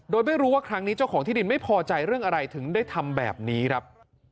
โดยไม่รู้ว่าครั้งนี้เจ้าของที่ดินไม่พอใจเรื่องอะไรถึงได้ทำแบบนี้ครับ